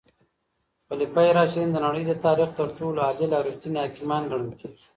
خلفای راشدین د نړۍ د تاریخ تر ټولو عادل او رښتیني حاکمان ګڼل کیږي.